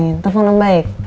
tidak ada telfon om baik